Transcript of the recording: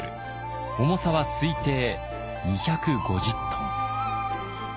重さは推定２５０ｔ。